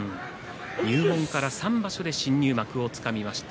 入門から３場所で新入幕をつかみました。